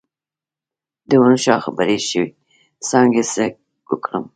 د ونو شاخه بري شوي څانګې څه کړم؟